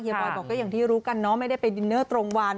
บอยบอกก็อย่างที่รู้กันเนาะไม่ได้ไปดินเนอร์ตรงวัน